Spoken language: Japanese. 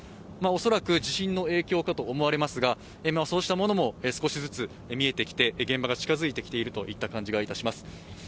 恐らく地震の影響かと思われますが、そうしたものも少しずつ見えてきて、現場が近づいてきている感じがします。